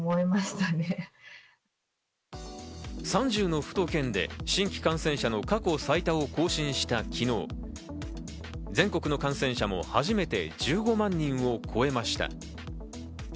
３０の府と県で新規感染者の過去最多を更新した昨日、全国の感染者も初めて１５万人を超えました。